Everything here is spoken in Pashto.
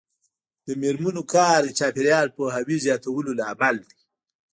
د میرمنو کار د چاپیریال پوهاوي زیاتولو لامل دی.